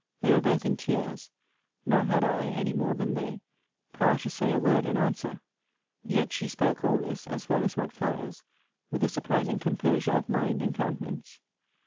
They were both in tears; nor had I, any more than they, power to say a word in answer: yet she spoke all this, as well as what follows, with a surprising composure of mind and countenance.